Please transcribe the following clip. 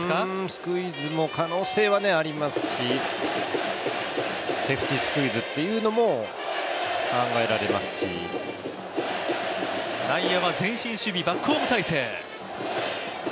スクイズも可能性はありますしセーフティースクイズっていうのもダイヤは前進守備、バックホーム態勢。